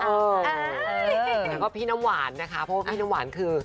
แล้วก็พี่น้ำหวานนะคะเพราะว่าพี่น้ำหวานคือ